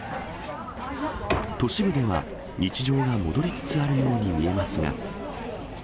都市部では日常が戻りつつあるように見えますが。